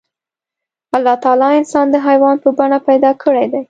الله تعالی انسان د حيوان په بڼه پيدا کړی دی.